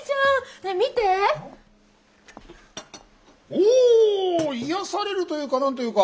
お癒やされるというか何というか。